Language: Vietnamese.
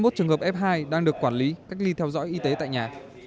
bảy trăm sáu mươi một trường hợp f hai đang được quản lý cách ly theo dõi y tế tại nhà